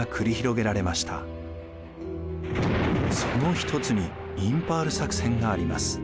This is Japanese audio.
その一つにインパール作戦があります。